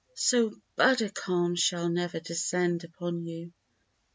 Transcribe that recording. So Buddha calm shall never descend upon you.